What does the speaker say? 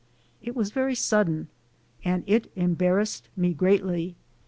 It was very sudden, and it embarrassed me greatly.